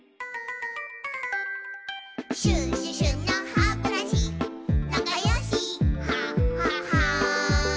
「シュシュシュのハブラシなかよしハハハ」